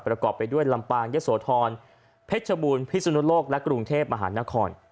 ประกอบไปด้วยลำปางยะโสธรเพชรบูรณพิศนุโลกและกรุงเทพมหานคร